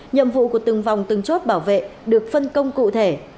nhiệm vụ của từng vòng từng chốt bảo vệ được phân công cụ thể